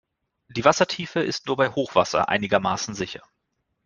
Die Wassertiefe ist nur bei Hochwasser einigermaßen sicher.